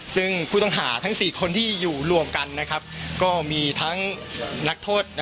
ซึ่งผู้ต้องหาทั้งสี่คนที่อยู่รวมกันนะครับก็มีทั้งนักทด